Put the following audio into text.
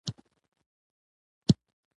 شاوخوا زر تنه کارګران باید مسکو ته تللي وای